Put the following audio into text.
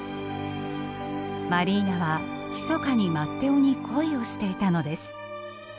マリーナはひそかにマッテオに恋をしていたのです。